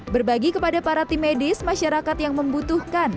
berbagi kepada para tim medis masyarakat yang membutuhkan